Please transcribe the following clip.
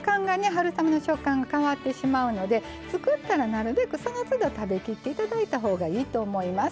春雨の食感が変わってしまうので作ったらなるべくそのつど食べきっていただいたほうがいいと思います。